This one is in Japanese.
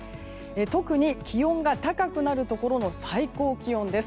特に気温が高くなるところの最高気温です。